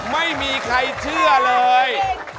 ไม่มีใครเชื่อเลย